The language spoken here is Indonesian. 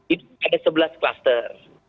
itu ada sebelas klaster